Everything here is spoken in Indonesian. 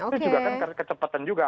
itu juga kan kecepatan juga